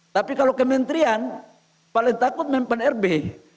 tapi kalau kementerian paling takut penerbih